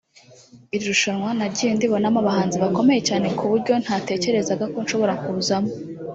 Iri rushanwa nagiye ndibonamo abahanzi bakomeye cyane ku buryo ntatekerezaga ko nshobora kuzamo